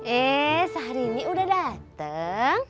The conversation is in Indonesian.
eh sehari ini udah dateng